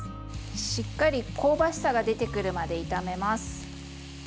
しっかり香ばしさが出てくるまで炒めます。